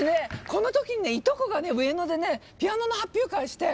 このときいとこが上野でピアノの発表会して。